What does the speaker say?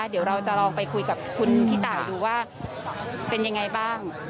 เดี๋ยวเราจะลองไปคุยกับคุณพี่ตายดูว่าเป็นยังไงบ้าง